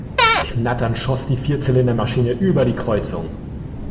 Knatternd schoss die Vierzylinder-Maschine über die Kreuzung.